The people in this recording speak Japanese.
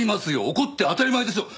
怒って当たり前でしょ！